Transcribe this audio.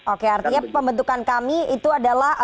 oke artinya pembentukan kami itu adalah